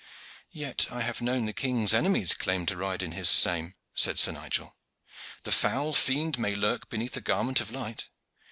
"Yet I have known the king's enemies claim to ride in his same," said Sir Nigel. "The foul fiend may lurk beneath a garment of light.